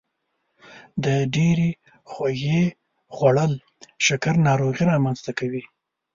د ډیرې خوږې خوړل شکر ناروغي رامنځته کوي.